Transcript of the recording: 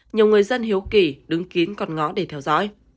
nhiều người dân hiếu kỳ đứng kín con ngõ để theo dõi